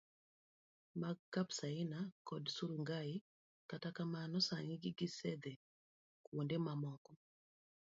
mag Kipsaina kod Surungai, kata kamano, sani gisedhi kuonde mamoko.